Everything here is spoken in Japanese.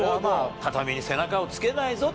畳に背中をつけないぞと。